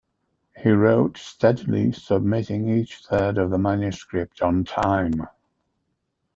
He wrote steadily submitting each third of the manuscript on time.